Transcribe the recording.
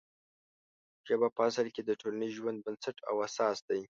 ژبه په اصل کې د ټولنیز ژوند بنسټ او اساس دی.